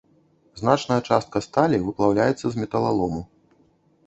Значная частка сталі выплаўляецца з металалому.